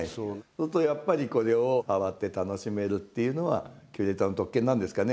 するとやっぱりこれを触って楽しめるっていうのはキュレーターの特権なんですかね？